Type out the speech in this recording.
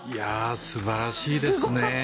素晴らしいですね。